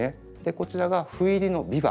こちらが斑入りの「ビワ」。